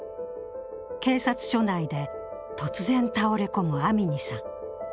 警察署内で突然、倒れ込むアミニさん。